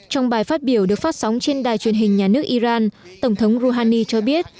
trong bài phát biểu được phát sóng trên đài truyền hình nhà nước iran tổng thống rouhani cho biết